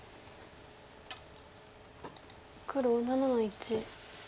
黒７の一。